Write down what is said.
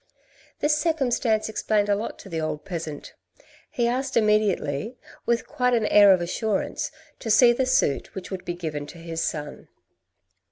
This circumstance explained a lot to the old peasant. He asked immediately, with quite an air of assurance, to see the suit which would be given to his son.